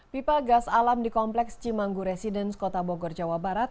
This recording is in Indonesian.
pipa gas alam di kompleks cimanggu residence kota bogor jawa barat